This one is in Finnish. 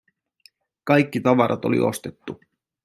Kaikki tavarat oli ostettu.